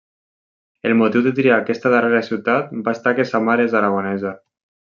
El motiu de triar aquesta darrera ciutat va estar que sa mare és aragonesa.